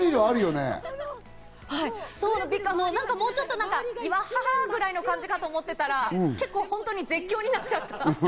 もうちょっとワハハ！ぐらいの感じかと思ってたら、結構、ほんとに絶叫になっちゃった。